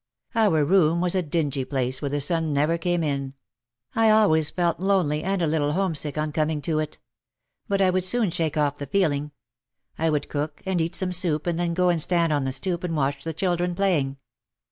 Our room was a dingy place where the sun never came in. I always felt lonely and a little homesick on coming into it. But I would soon shake off the feeling. I would cook and eat some soup and then go and stand on the stoop and watch the children playing.